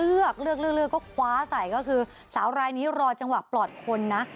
เลือกเลือกเลือกก็คว้าใส่ก็คือสาวรายนี้รอจังหวะปลอดคนนะ